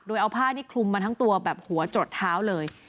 โดยเอาผ้านี่คลุมมาทั้งตัวแบบหัวจดเท้าเลย